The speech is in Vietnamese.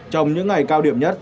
trong những ngày cao điểm nhất